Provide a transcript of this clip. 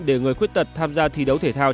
để người khuyết tật tham gia thi đấu thể thao